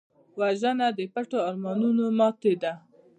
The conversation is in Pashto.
وژنه د پټو ارمانونو ماتې ده